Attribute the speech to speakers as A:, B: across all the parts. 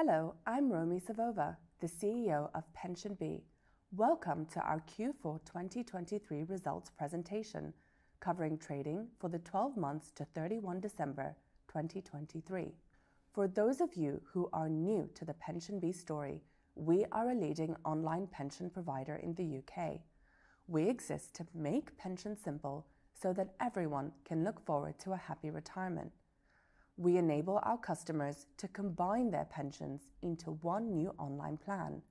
A: Hello, I'm Romi Savova, the CEO of PensionBee. Welcome to our Q4 2023 results presentation, covering trading for the 12 months to 31 December 2023. For those of you who are new to the PensionBee story, we are a leading online pension provider in the U.K. We exist to make pensions simple so that everyone can look forward to a happy retirement. We enable our customers to combine their pensions into one new online plan.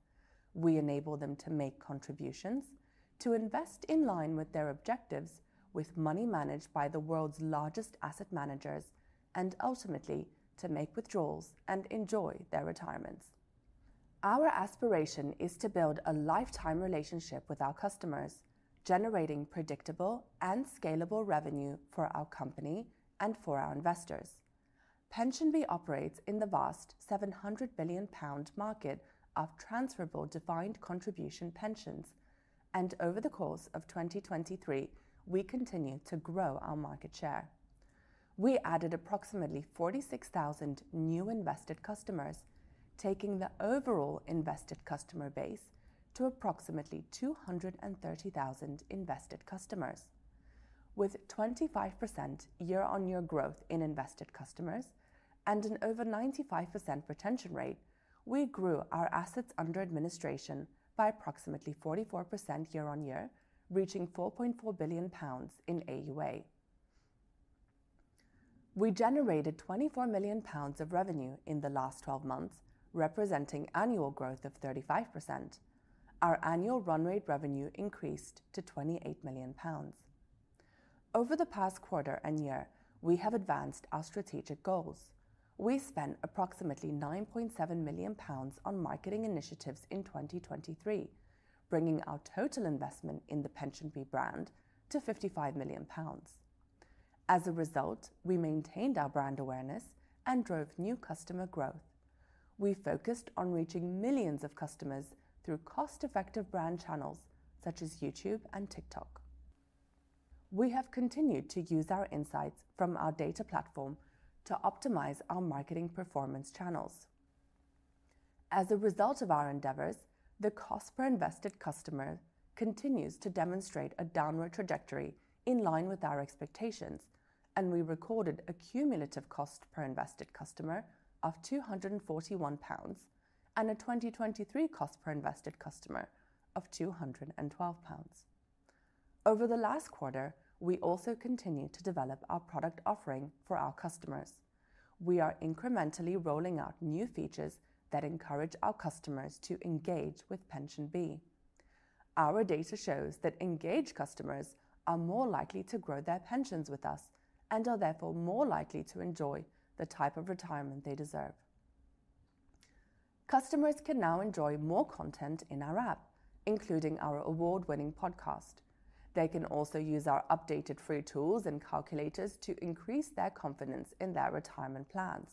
A: We enable them to make contributions, to invest in line with their objectives, with money managed by the world's largest asset managers, and ultimately, to make withdrawals and enjoy their retirements. Our aspiration is to build a lifetime relationship with our customers, generating predictable and scalable revenue for our company and for our investors. PensionBee operates in the vast GBP 700 billion market of transferable defined contribution pensions, and over the course of 2023, we continued to grow our market share. We added approximately 46,000 new invested customers, taking the overall invested customer base to approximately 230,000 invested customers. With 25% year-on-year growth in invested customers and an over 95% retention rate, we grew our assets under administration by approximately 44% year-on-year, reaching 4.4 billion pounds in AUA. We generated 24 million pounds of revenue in the last 12 months, representing annual growth of 35%. Our annual run rate revenue increased to 28 million pounds. Over the past quarter and year, we have advanced our strategic goals. We spent approximately 9.7 million pounds on marketing initiatives in 2023, bringing our total investment in the PensionBee brand to 55 million pounds. As a result, we maintained our brand awareness and drove new customer growth. We focused on reaching millions of customers through cost-effective brand channels such as YouTube and TikTok. We have continued to use our insights from our data platform to optimize our marketing performance channels. As a result of our endeavors, the cost per invested customer continues to demonstrate a downward trajectory in line with our expectations, and we recorded a cumulative cost per invested customer of 241 pounds and a 2023 cost per invested customer of 212 pounds. Over the last quarter, we also continued to develop our product offering for our customers. We are incrementally rolling out new features that encourage our customers to engage with PensionBee. Our data shows that engaged customers are more likely to grow their pensions with us and are therefore more likely to enjoy the type of retirement they deserve. Customers can now enjoy more content in our app, including our award-winning podcast. They can also use our updated free tools and calculators to increase their confidence in their retirement plans.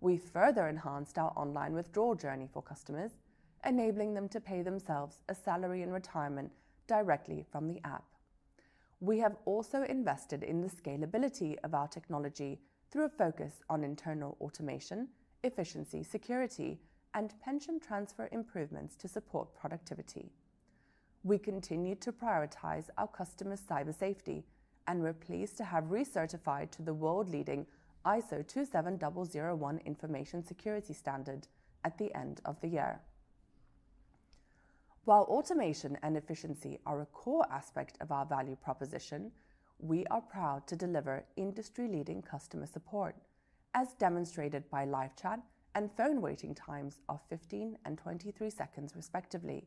A: We further enhanced our online withdrawal journey for customers, enabling them to pay themselves a salary in retirement directly from the app. We have also invested in the scalability of our technology through a focus on internal automation, efficiency, security, and pension transfer improvements to support productivity. We continued to prioritize our customers' cyber safety and we're pleased to have recertified to the world-leading ISO 27001 information security standard at the end of the year. While automation and efficiency are a core aspect of our value proposition, we are proud to deliver industry-leading customer support, as demonstrated by live chat and phone waiting times of 15 seconds and 23 seconds, respectively.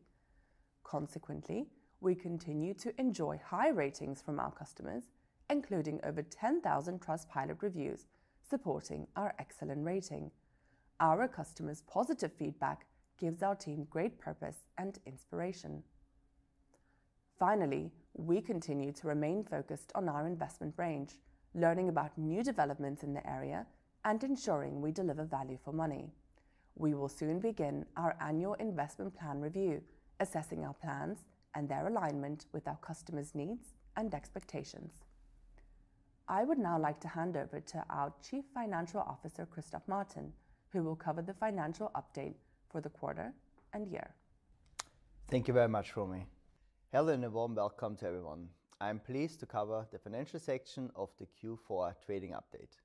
A: Consequently, we continue to enjoy high ratings from our customers, including over 10,000 Trustpilot reviews supporting our excellent rating. Our customers' positive feedback gives our team great purpose and inspiration. Finally, we continue to remain focused on our investment range, learning about new developments in the area and ensuring we deliver value for money. We will soon begin our annual investment plan review, assessing our plans and their alignment with our customers' needs and expectations. I would now like to hand over to our Chief Financial Officer, Christoph Martin, who will cover the Financial Update for the quarter and year.
B: Thank you very much, Romi. Hello, and a warm welcome to everyone. I'm pleased to cover the financial section of the Q4 trading update.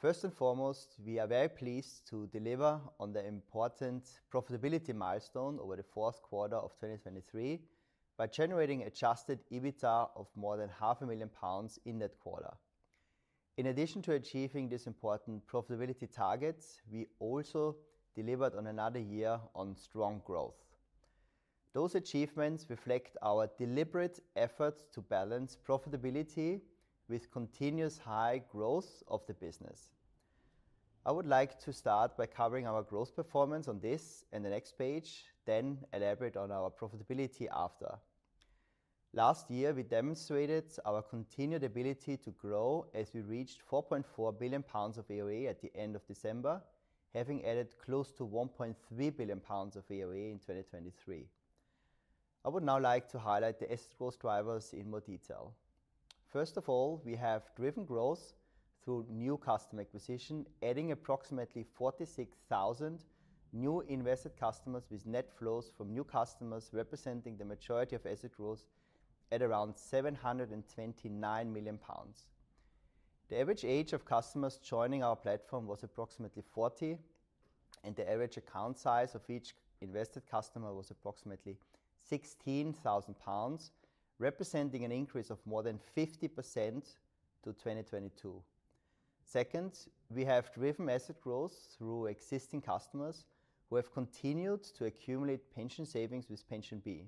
B: First and foremost, we are very pleased to deliver on the important profitability milestone over the fourth quarter of 2023 by generating Adjusted EBITDA of more than 500,000 pounds in that quarter. In addition to achieving this important profitability target, we also delivered on another year on strong growth. Those achievements reflect our deliberate efforts to balance profitability with continuous high growth of the business. I would like to start by covering our growth performance on this and the next page, then elaborate on our profitability after. Last year, we demonstrated our continued ability to grow as we reached 4.4 billion pounds of AUA at the end of December, having added close to 1.3 billion pounds of AUA in 2023. I would now like to highlight the asset growth drivers in more detail. First of all, we have driven growth through new customer acquisition, adding approximately 46,000 new invested customers, with net flows from new customers representing the majority of asset growth at around 729 million pounds. The average age of customers joining our platform was approximately 40, and the average account size of each invested customer was approximately 16,000 pounds, representing an increase of more than 50% to 2022. Second, we have driven asset growth through existing customers who have continued to accumulate pension savings with PensionBee.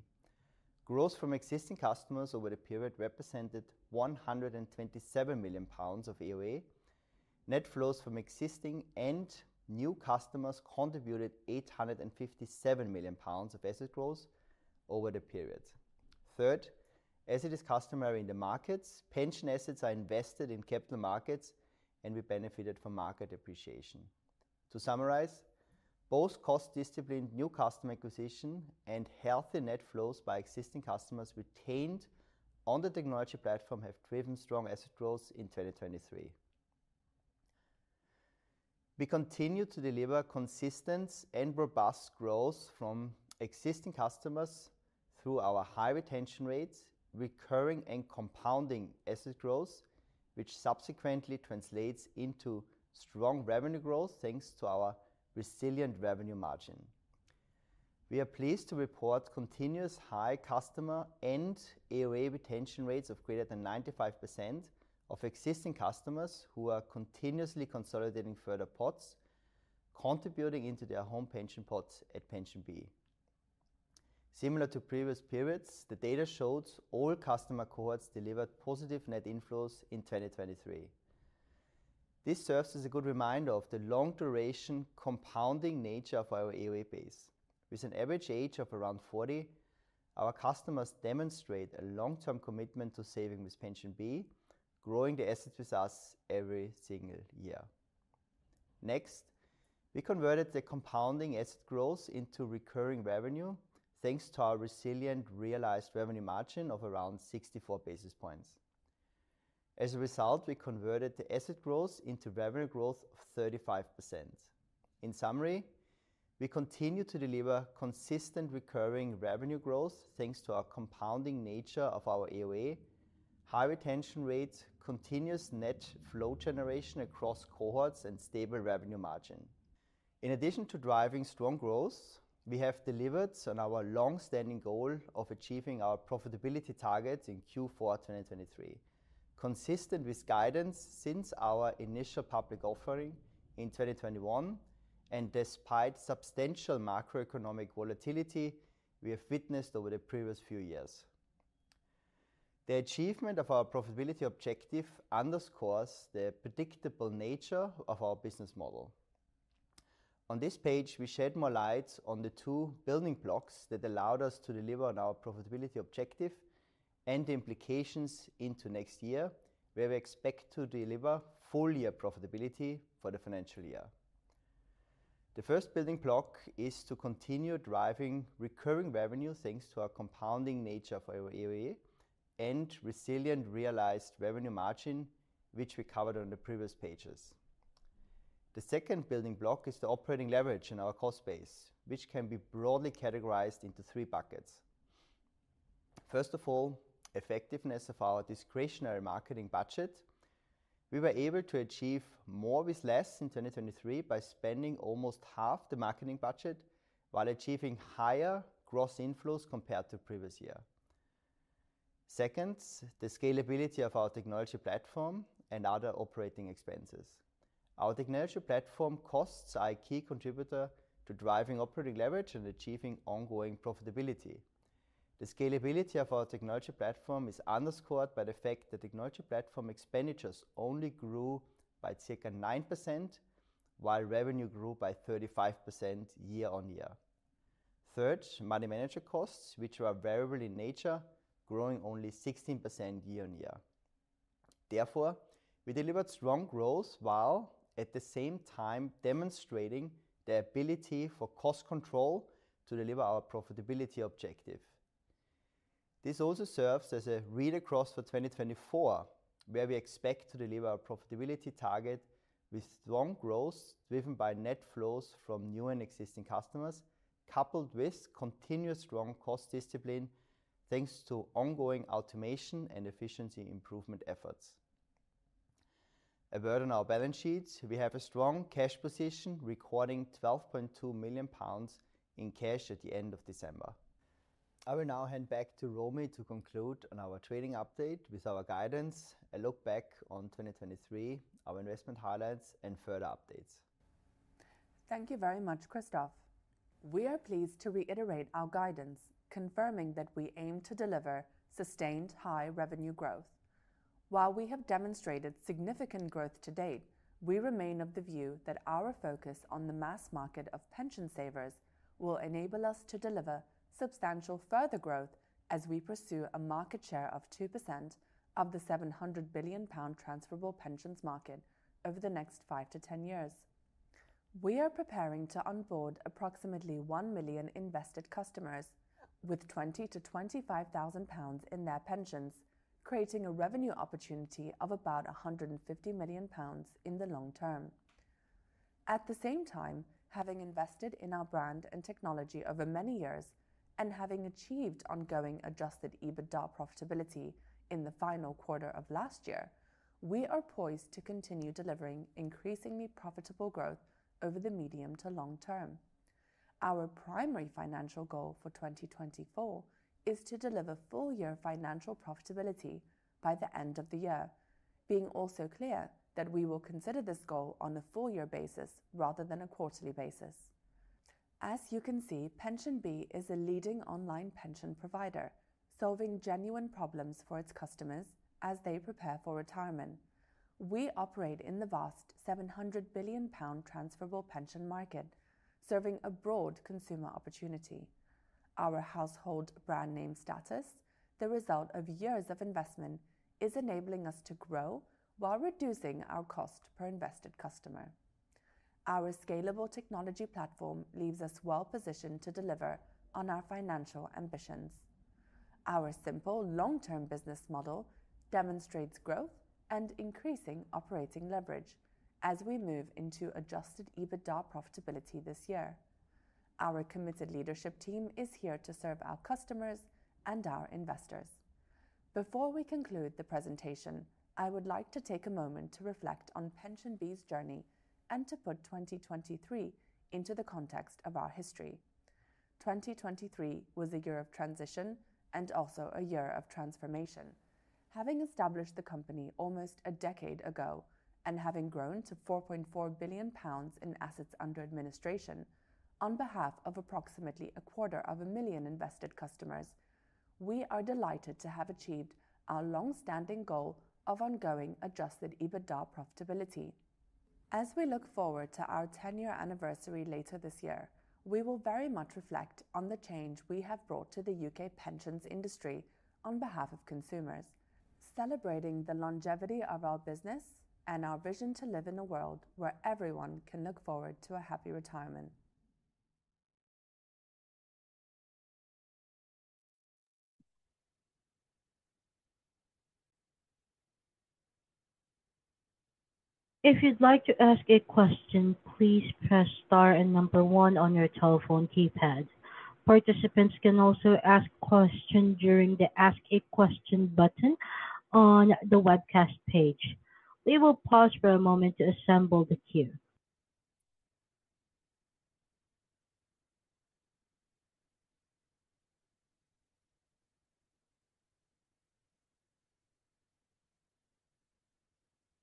B: Growth from existing customers over the period represented 127 million pounds of AUA. Net flows from existing and new customers contributed 857 million pounds of asset growth over the period. Third, as it is customary in the markets, pension assets are invested in capital markets, and we benefited from market appreciation. To summarize, both cost discipline, new customer acquisition, and healthy net flows by existing customers retained on the technology platform have driven strong asset growth in 2023. We continue to deliver consistent and robust growth from existing customers through our high retention rates, recurring and compounding asset growth, which subsequently translates into strong revenue growth, thanks to our resilient revenue margin. We are pleased to report continuous high customer and AUA retention rates of greater than 95% of existing customers who are continuously consolidating further pots, contributing into their home pension pots at PensionBee. Similar to previous periods, the data shows all customer cohorts delivered positive net inflows in 2023. This serves as a good reminder of the long duration, compounding nature of our AUA base. With an average age of around 40, our customers demonstrate a long-term commitment to saving with PensionBee, growing their assets with us every single year. Next, we converted the compounding asset growth into recurring revenue, thanks to our resilient realized revenue margin of around 64 basis points. As a result, we converted the asset growth into revenue growth of 35%. In summary, we continue to deliver consistent recurring revenue growth, thanks to our compounding nature of our AUA, high retention rates, continuous net flow generation across cohorts, and stable revenue margin. In addition to driving strong growth, we have delivered on our long-standing goal of achieving our profitability targets in Q4 2023, consistent with guidance since our initial public offering in 2021, and despite substantial macroeconomic volatility we have witnessed over the previous few years. The achievement of our profitability objective underscores the predictable nature of our business model. On this page, we shed more light on the two building blocks that allowed us to deliver on our profitability objective and the implications into next year, where we expect to deliver full year profitability for the financial year. The first building block is to continue driving recurring revenue, thanks to our compounding nature of our AUA and resilient realized revenue margin, which we covered on the previous pages. The second building block is the operating leverage in our cost base, which can be broadly categorized into three buckets. First of all, effectiveness of our discretionary marketing budget. We were able to achieve more with less in 2023 by spending almost half the marketing budget while achieving higher gross inflows compared to previous year. Second, the scalability of our technology platform and other operating expenses. Our technology platform costs are a key contributor to driving operating leverage and achieving ongoing profitability. The scalability of our technology platform is underscored by the fact that technology platform expenditures only grew by circa 9%, while revenue grew by 35% year-on-year. Third, money manager costs, which are variable in nature, growing only 16% year-on-year. Therefore, we delivered strong growth, while at the same time demonstrating the ability for cost control to deliver our profitability objective. This also serves as a read across for 2024, where we expect to deliver our profitability target with strong growth, driven by net flows from new and existing customers, coupled with continuous strong cost discipline, thanks to ongoing automation and efficiency improvement efforts. A word on our balance sheet. We have a strong cash position, recording 12.2 million pounds in cash at the end of December. I will now hand back to Romi to conclude on our trading update with our guidance, a look back on 2023, our investment highlights and further updates.
A: Thank you very much, Christoph. We are pleased to reiterate our guidance, confirming that we aim to deliver sustained high revenue growth. While we have demonstrated significant growth to date, we remain of the view that our focus on the mass market of pension savers will enable us to deliver substantial further growth as we pursue a market share of 2% of the 700 billion pound transferable pensions market over the next 5-10 years. We are preparing to onboard approximately 1 million invested customers with 20,000-25,000 pounds in their pensions, creating a revenue opportunity of about 150 million pounds in the long term. At the same time, having invested in our brand and technology over many years and having achieved ongoing Adjusted EBITDA profitability in the final quarter of last year, we are poised to continue delivering increasingly profitable growth over the medium to long term. Our primary financial goal for 2024 is to deliver full-year financial profitability by the end of the year, being also clear that we will consider this goal on a full year basis rather than a quarterly basis. As you can see, PensionBee is a leading online pension provider, solving genuine problems for its customers as they prepare for retirement. We operate in the vast 700 billion pound transferable pension market, serving a broad consumer opportunity. Our household brand name status, the result of years of investment, is enabling us to grow while reducing our cost per invested customer. Our scalable technology platform leaves us well positioned to deliver on our financial ambitions. Our simple long-term business model demonstrates growth and increasing operating leverage as we move into Adjusted EBITDA profitability this year. Our committed leadership team is here to serve our customers and our investors. Before we conclude the presentation, I would like to take a moment to reflect on PensionBee's journey and to put 2023 into the context of our history. 2023 was a year of transition and also a year of transformation. Having established the company almost a decade ago and having grown to 4.4 billion pounds in assets under administration, on behalf of approximately 250,000 invested customers, we are delighted to have achieved our long-standing goal of ongoing Adjusted EBITDA profitability. As we look forward to our 10 year anniversary later this year, we will very much reflect on the change we have brought to the U.K. pensions industry on behalf of consumers, celebrating the longevity of our business and our vision to live in a world where everyone can look forward to a happy retirement.
C: If you'd like to ask a question, please press star and number one on your telephone keypad. Participants can also ask questions during the Ask a Question button on the webcast page. We will pause for a moment to assemble the queue.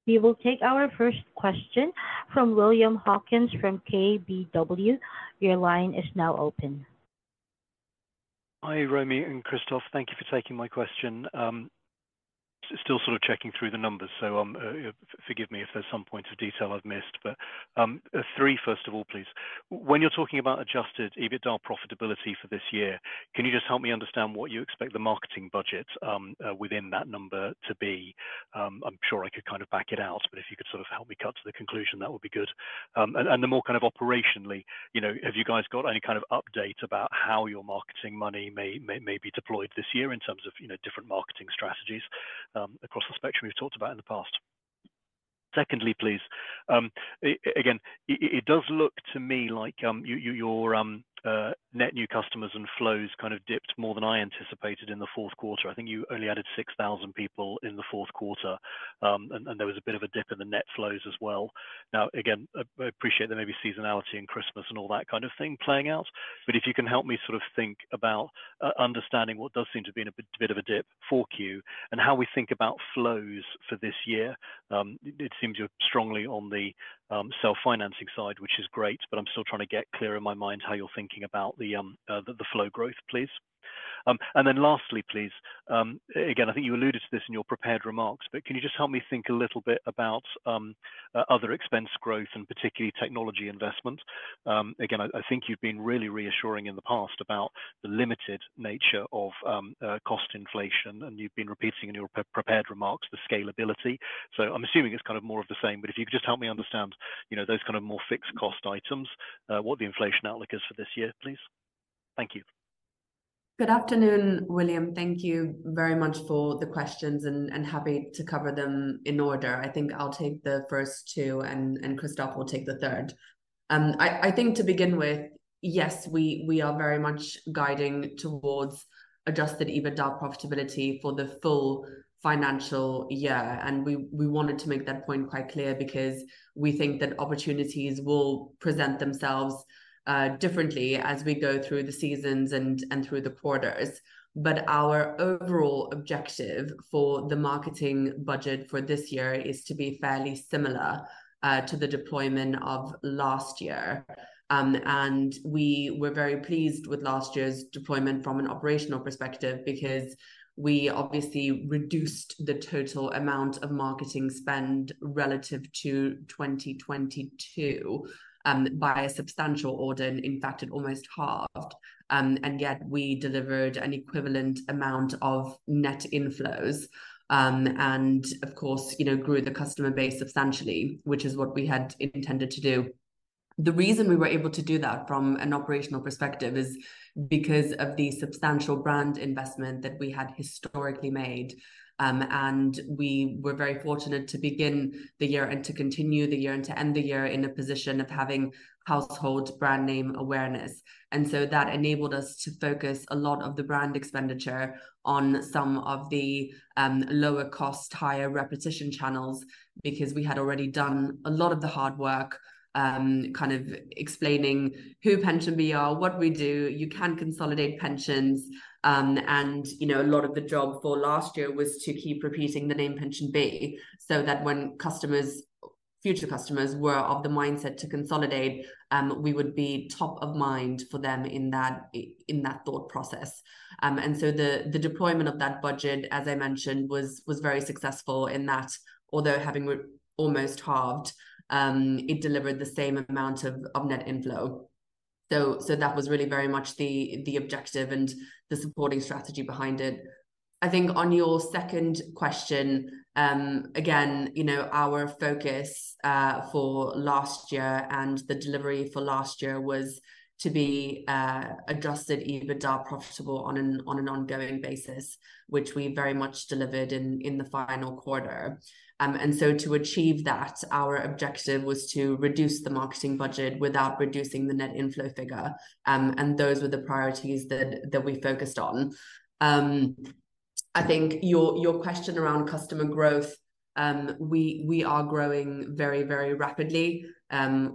C: We will take our first question from William Hawkins from KBW. Your line is now open.
D: Hi, Romi and Christoph. Thank you for taking my question. Still sort of checking through the numbers, so, forgive me if there's some points of detail I've missed, but, three, first of all, please. When you're talking about Adjusted EBITDA profitability for this year, can you just help me understand what you expect the marketing budget within that number to be? I'm sure I could kind of back it out, but if you could sort of help me cut to the conclusion, that would be good. And the more kind of operationally, you know, have you guys got any kind of update about how your marketing money may be deployed this year in terms of, you know, different marketing strategies across the spectrum we've talked about in the past? Secondly, please, again, it does look to me like your net new customers and flows kind of dipped more than I anticipated in the fourth quarter. I think you only added 6,000 people in the fourth quarter, and there was a bit of a dip in the net flows as well. Now, again, I appreciate there may be seasonality and Christmas and all that kind of thing playing out, but if you can help me sort of think about understanding what does seem to be in a bit of a dip for Q4 and how we think about flows for this year. It seems you're strongly on the self-financing side, which is great, but I'm still trying to get clear in my mind how you're thinking about the flow growth, please. And then lastly, please, again, I think you alluded to this in your prepared remarks, but can you just help me think a little bit about, other expense growth and particularly technology investment? Again, I, I think you've been really reassuring in the past about the limited nature of, cost inflation, and you've been repeating in your pre-prepared remarks, the scalability. So I'm assuming it's kind of more of the same, but if you could just help me understand, you know, those kind of more fixed cost items, what the inflation outlook is for this year, please. Thank you.
A: Good afternoon, William. Thank you very much for the questions, and happy to cover them in order. I think I'll take the first two, and Christoph will take the third. I think to begin with, yes, we are very much guiding towards Adjusted EBITDA profitability for the full financial year, and we wanted to make that point quite clear because we think that opportunities will present themselves differently as we go through the seasons and through the quarters. But our overall objective for the marketing budget for this year is to be fairly similar to the deployment of last year. And we were very pleased with last year's deployment from an operational perspective because we obviously reduced the total amount of marketing spend relative to 2022 by a substantial order, and in fact, it almost halved. And yet we delivered an equivalent amount of net inflows, and of course, you know, grew the customer base substantially, which is what we had intended to do. The reason we were able to do that from an operational perspective is because of the substantial brand investment that we had historically made. And we were very fortunate to begin the year and to continue the year and to end the year in a position of having household brand name awareness. And so that enabled us to focus a lot of the brand expenditure on some of the lower cost, higher repetition channels, because we had already done a lot of the hard work, kind of explaining who PensionBee are, what we do, you can consolidate pensions. And you know, a lot of the job for last year was to keep repeating the name PensionBee, so that when customers, future customers were of the mindset to consolidate, we would be top of mind for them in that, in that thought process. And so the deployment of that budget, as I mentioned, was very successful in that although having almost halved, it delivered the same amount of net inflow. So that was really very much the objective and the supporting strategy behind it. I think on your second question, again, you know, our focus for last year and the delivery for last year was to be Adjusted EBITDA profitable on an ongoing basis, which we very much delivered in the final quarter. And so to achieve that, our objective was to reduce the marketing budget without reducing the net inflow figure. I think your question around customer growth, we are growing very, very rapidly.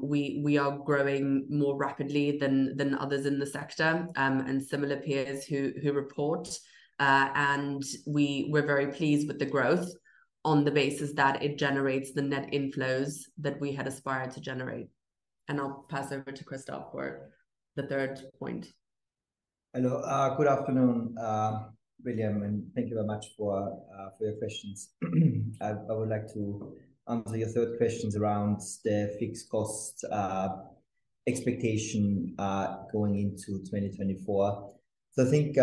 A: We are growing more rapidly than others in the sector, and similar peers who report. We're very pleased with the growth on the basis that it generates the net inflows that we had aspired to generate. I'll pass over to Christoph for the third point.
B: Hello. Good afternoon, William, and thank you very much for your questions. I would like to answer your third questions around the fixed cost expectation going into 2024. I think,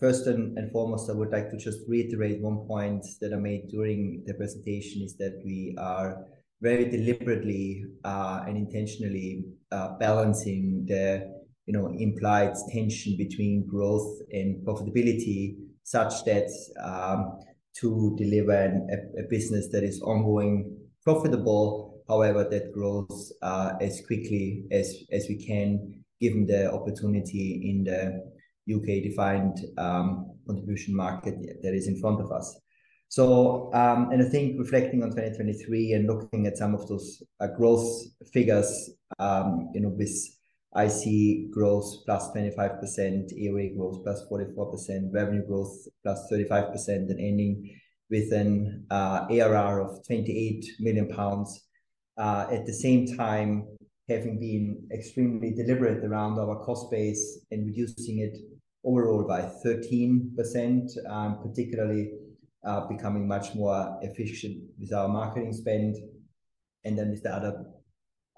B: first and foremost, I would like to just reiterate one point that I made during the presentation, is that we are very deliberately and intentionally balancing the, you know, implied tension between growth and profitability, such that to deliver a business that is ongoing profitable, however, that grows as quickly as we can, given the opportunity in the U.K. Defined Contribution market that is in front of us. So, and I think reflecting on 2023 and looking at some of those, growth figures, you know, with IC growth +25%, AUA growth +44%, revenue growth +35%, and ending with an ARR of 28 million pounds. At the same time, having been extremely deliberate around our cost base and reducing it overall by 13%, particularly, becoming much more efficient with our marketing spend. And then with the other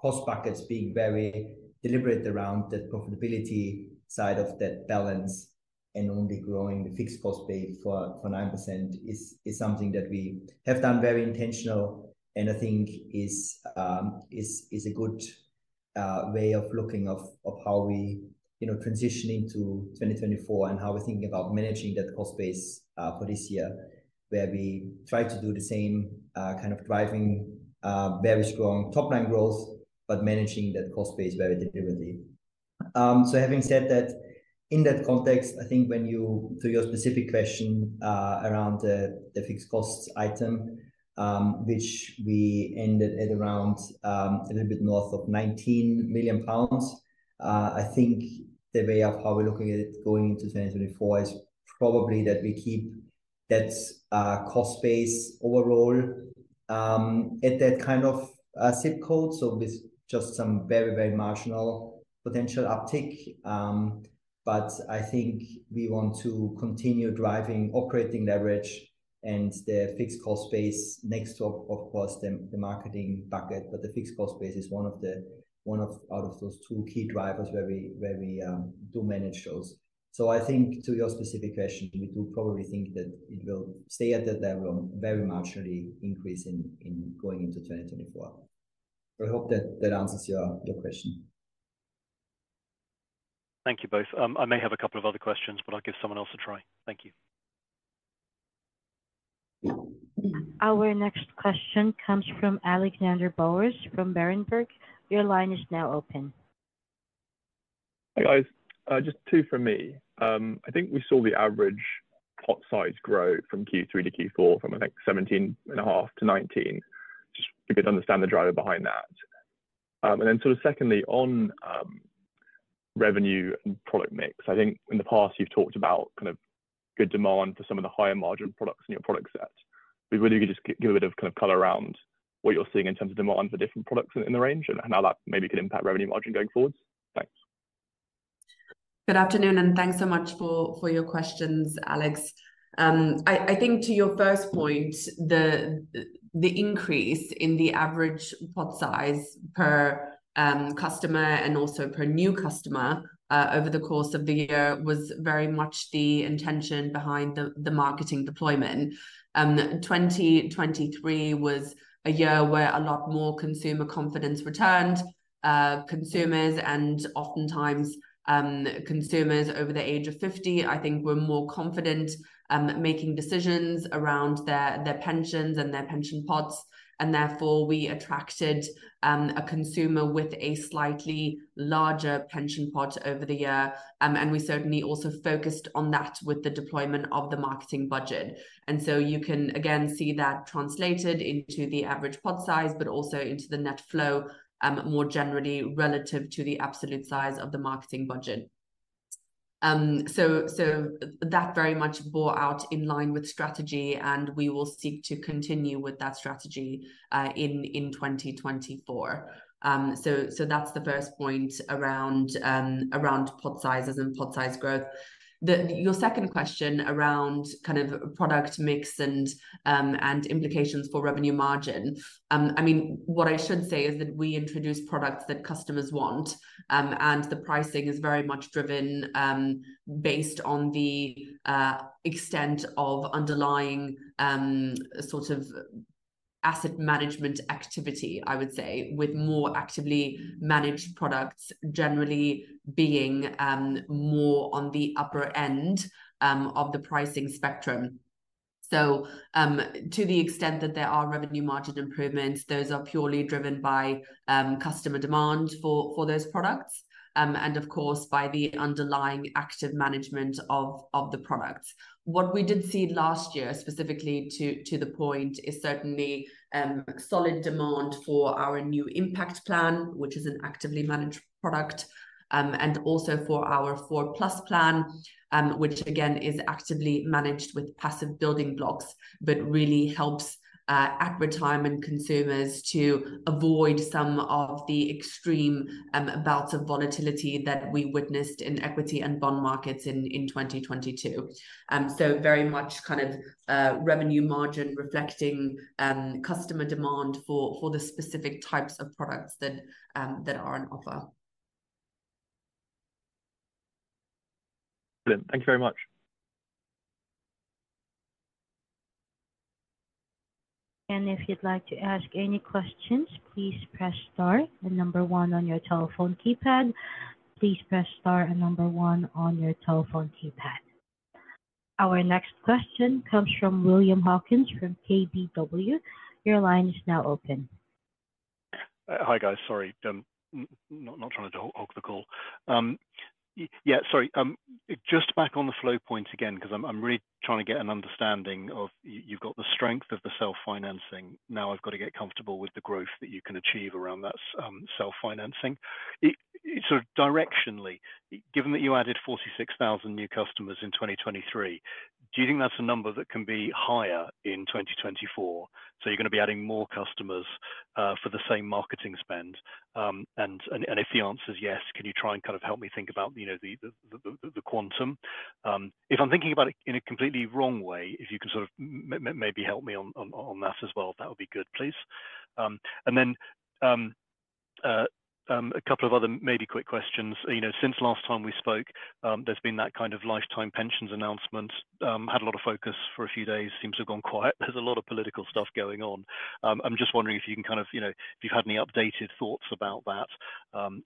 B: cost buckets, being very deliberate around the profitability side of that balance and only growing the fixed cost base for 9% is something that we have done very intentional, and I think is a good way of looking of how we, you know, transition into 2024 and how we're thinking about managing that cost base for this year, where we try to do the same kind of driving very strong top-line growth, but managing that cost base very deliberately. So having said that, in that context, I think when you... To your specific question, around the fixed costs item, which we ended at around a little bit north of 19 million pounds, I think the way of how we're looking at it going into 2024 is probably that we keep that cost base overall at that kind of zip code, so with just some very, very marginal potential uptick. But I think we want to continue driving operating leverage and the fixed cost base next to, of course, the marketing bucket, but the fixed cost base is one out of those two key drivers where we do manage those. So I think to your specific question, we do probably think that it will stay at that level, very marginally increase in going into 2024. I hope that that answers your, your question.
A: Thank you both. I may have a couple of other questions, but I'll give someone else a try. Thank you.
C: Our next question comes from Alexander Bowers from Berenberg. Your line is now open.
E: Hi, guys. Just two from me. I think we saw the average pot size grow from Q3 to Q4, from, I think, 17.5 million-19 million. Just, if you could understand the driver behind that? And then sort of secondly, on revenue and product mix, I think in the past you've talked about kind of good demand for some of the higher margin products in your product set. But whether you could just give a bit of kind of color around what you're seeing in terms of demand for different products in the range and how that maybe could impact revenue margin going forward? Thanks.
A: Good afternoon, and thanks so much for your questions, Alex. I think to your first point, the increase in the average pot size per customer and also per new customer over the course of the year was very much the intention behind the marketing deployment. 2023 was a year where a lot more consumer confidence returned. Consumers and oftentimes consumers over the age of 50, I think were more confident making decisions around their pensions and their pension pots, and therefore, we attracted a consumer with a slightly larger pension pot over the year. And we certainly also focused on that with the deployment of the marketing budget. And so you can again see that translated into the average pot size, but also into the net flow, more generally relative to the absolute size of the marketing budget. So, so that very much bore out in line with strategy, and we will seek to continue with that strategy, in, in 2024. So, so that's the first point around pot sizes and pot size growth. Your second question around kind of product mix and, and implications for revenue margin. I mean, what I should say is that we introduce products that customers want, and the pricing is very much driven, based on the, extent of underlying, sort of asset management activity, I would say, with more actively managed products generally being, more on the upper end, of the pricing spectrum. So, to the extent that there are revenue margin improvements, those are purely driven by customer demand for those products, and of course, by the underlying active management of the products. What we did see last year, specifically to the point, is certainly solid demand for our new Impact Plan, which is an actively managed product, and also for our 4Plus Plan, which again, is actively managed with passive building blocks, but really helps at retirement consumers to avoid some of the extreme bouts of volatility that we witnessed in equity and bond markets in 2022. So very much kind of revenue margin reflecting customer demand for the specific types of products that are on offer.
C: Thank you very much. And if you'd like to ask any questions, please press star and number one on your telephone keypad. Please press star and number one on your telephone keypad. Our next question comes from William Hawkins, from KBW. Your line is now open.
D: Hi, guys. Sorry, not trying to hog the call. Yeah, sorry. Just back on the flow point again, because I'm really trying to get an understanding of. You've got the strength of the self-financing. Now, I've got to get comfortable with the growth that you can achieve around that, self-financing. Sort of directionally, given that you added 46,000 new customers in 2023, do you think that's a number that can be higher in 2024? So you're gonna be adding more customers, for the same marketing spend. And if the answer is yes, can you try and kind of help me think about, you know, the quantum? If I'm thinking about it in a completely wrong way, if you can sort of maybe help me on that as well, that would be good, please. And then, a couple of other maybe quick questions. You know, since last time we spoke, there's been that kind of lifetime pensions announcement. Had a lot of focus for a few days, seems to have gone quiet. There's a lot of political stuff going on. I'm just wondering if you can kind of, you know, if you've had any updated thoughts about that,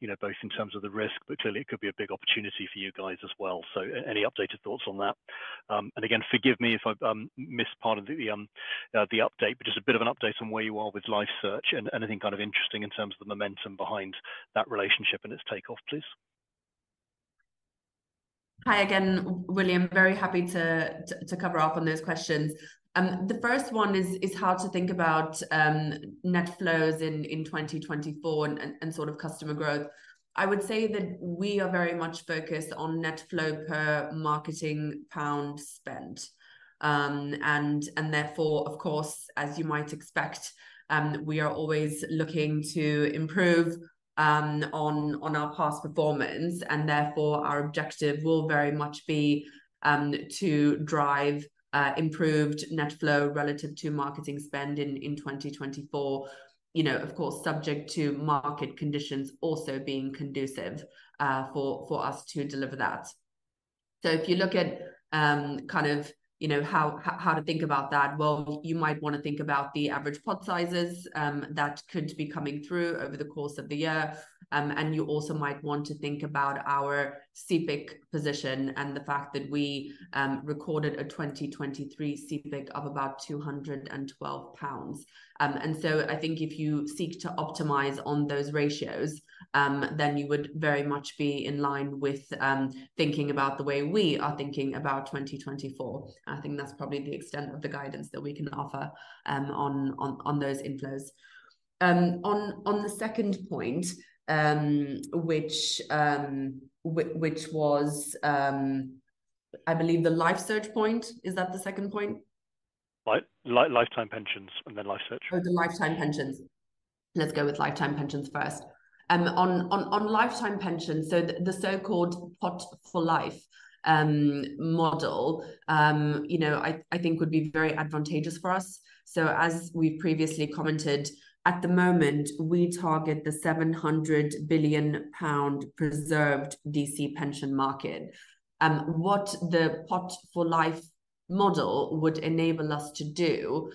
D: you know, both in terms of the risk, but clearly it could be a big opportunity for you guys as well. So any updated thoughts on that? And again, forgive me if I missed part of the update, but just a bit of an update on where you are with LifeSearch and anything kind of interesting in terms of the momentum behind that relationship and its takeoff, please.
A: Hi again, William. Very happy to catch up on those questions. The first one is how to think about net flows in 2024 and sort of customer growth. I would say that we are very much focused on net flow per marketing pound spent. And therefore, of course, as you might expect, we are always looking to improve on our past performance, and therefore, our objective will very much be to drive improved net flow relative to marketing spend in 2024. You know, of course, subject to market conditions also being conducive for us to deliver that. So if you look at, kind of, you know, how to think about that, well, you might want to think about the average pot sizes that could be coming through over the course of the year. You also might want to think about our CPIC position and the fact that we recorded a 2023 CPIC of about 212 pounds. So I think if you seek to optimize on those ratios, then you would very much be in line with thinking about the way we are thinking about 2024. I think that's probably the extent of the guidance that we can offer on those inflows. On the second point, which was, I believe the LifeSearch point, is that the second point?...
D: lifetime pensions and then LifeSearch?
A: Oh, the lifetime pensions. Let's go with lifetime pensions first. On lifetime pensions, so the so-called Pot for Life model, you know, I think would be very advantageous for us. So as we've previously commented, at the moment, we target the 700 billion pound preserved DC pension market. What the Pot for Life model would enable us to do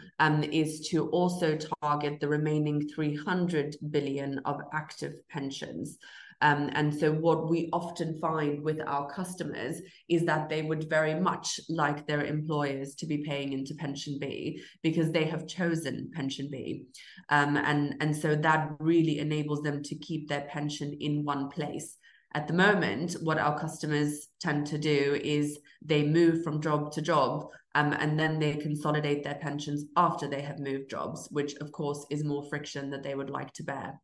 A: is to also target the remaining 300 billion of active pensions. And so what we often find with our customers is that they would very much like their employers to be paying into PensionBee because they have chosen PensionBee. And so that really enables them to keep their pension in one place. At the moment, what our customers tend to do is they move from job to job, and then they consolidate their pensions after they have moved jobs, which of course, is more friction than they would like to bear.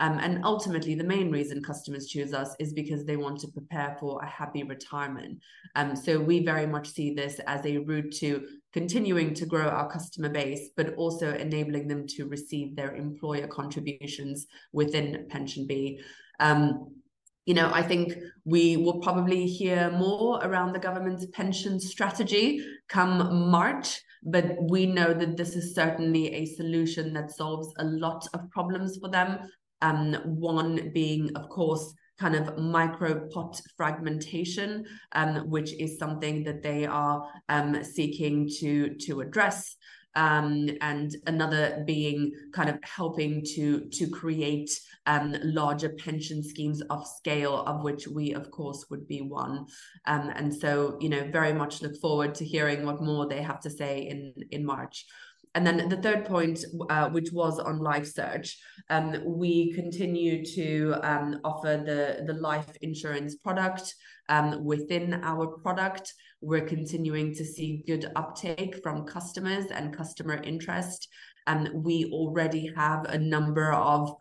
A: And ultimately, the main reason customers choose us is because they want to prepare for a happy retirement. So we very much see this as a route to continuing to grow our customer base, but also enabling them to receive their employer contributions within PensionBee. You know, I think we will probably hear more around the government's pension strategy come March, but we know that this is certainly a solution that solves a lot of problems for them. One being, of course, kind of micro pot fragmentation, which is something that they are seeking to address. And another being kind of helping to create larger pension schemes of scale, of which we, of course, would be one. And so, you know, very much look forward to hearing what more they have to say in March. And then the third point, which was on LifeSearch, we continue to offer the life insurance product. Within our product, we're continuing to see good uptake from customers and customer interest, and we already have a number of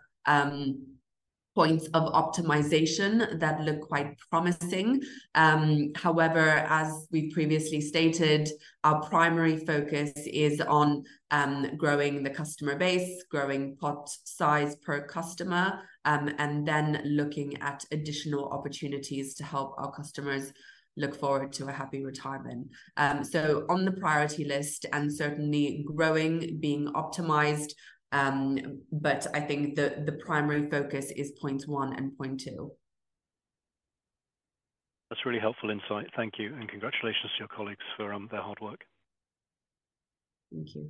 A: points of optimization that look quite promising. However, as we've previously stated, our primary focus is on growing the customer base, growing pot size per customer, and then looking at additional opportunities to help our customers look forward to a happy retirement. On the priority list and certainly growing, being optimized, but I think the primary focus is point one and point two.
D: That's really helpful insight. Thank you, and congratulations to your colleagues for their hard work.
A: Thank you.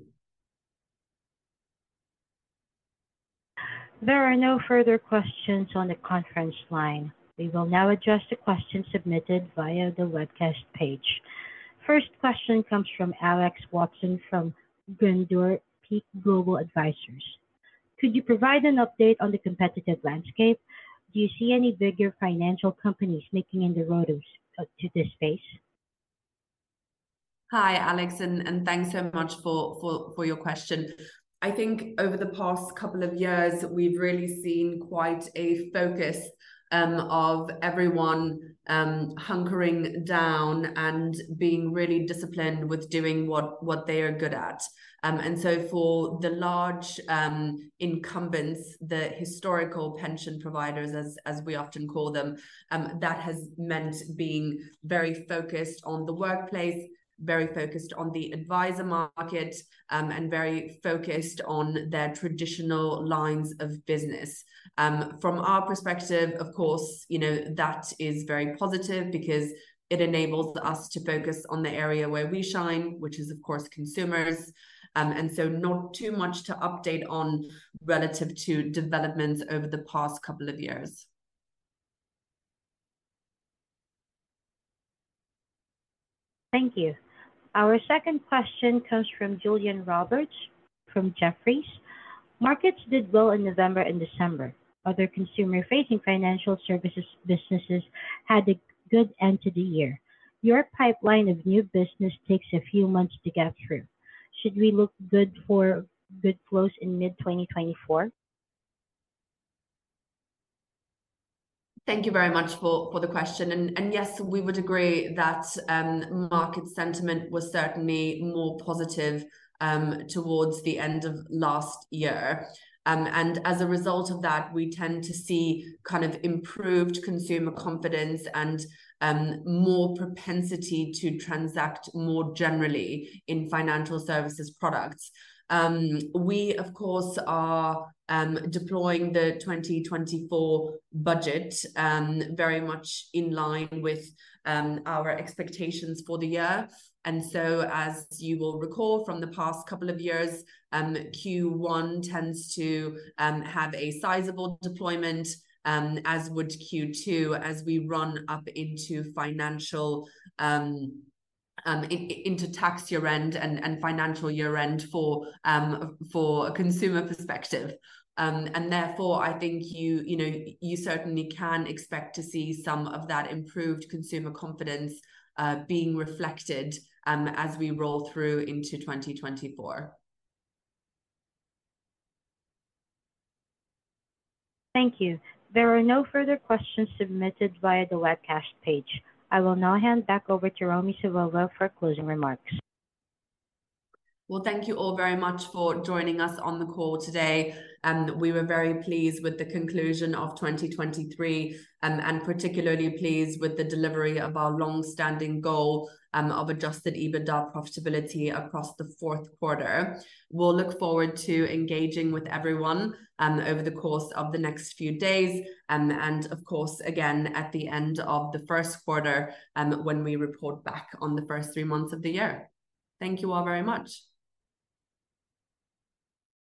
C: There are no further questions on the conference line. We will now address the questions submitted via the webcast page. First question comes from Alexis Watson from Grandeur Peak Global Advisors: Could you provide an update on the competitive landscape? Do you see any bigger financial companies sneaking under the radar to this space?
A: Hi, Alexis, and thanks so much for your question. I think over the past couple of years, we've really seen quite a focus of everyone hunkering down and being really disciplined with doing what they are good at. And so for the large incumbents, the historical pension providers, as we often call them, that has meant being very focused on the workplace, very focused on the advisor market, and very focused on their traditional lines of business. From our perspective, of course, you know, that is very positive because it enables us to focus on the area where we shine, which is, of course, consumers. And so not too much to update on relative to developments over the past couple of years.
C: Thank you. Our second question comes from Julian Roberts, from Jefferies: Markets did well in November and December. Other consumer-facing financial services businesses had a good end to the year. Your pipeline of new business takes a few months to get through. Should we look good for good flows in mid-2024?
A: Thank you very much for the question, and yes, we would agree that market sentiment was certainly more positive towards the end of last year. And as a result of that, we tend to see kind of improved consumer confidence and more propensity to transact more generally in financial services products. We, of course, are deploying the 2024 budget very much in line with our expectations for the year. And so, as you will recall from the past couple of years, Q1 tends to have a sizable deployment, as would Q2, as we run up into financial into tax year-end and financial year-end for a consumer perspective. Therefore, I think you, you know, you certainly can expect to see some of that improved consumer confidence being reflected as we roll through into 2024.
C: Thank you. There are no further questions submitted via the webcast page. I will now hand back over to Romi Savova for closing remarks.
A: Well, thank you all very much for joining us on the call today. We were very pleased with the conclusion of 2023, and particularly pleased with the delivery of our long-standing goal, of Adjusted EBITDA profitability across the fourth quarter. We'll look forward to engaging with everyone, over the course of the next few days, and of course, again, at the end of the first quarter, when we report back on the first three months of the year. Thank you all very much.